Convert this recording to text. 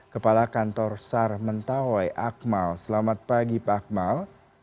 kepala kantor sar mentawai akmal selamat pagi pak akmal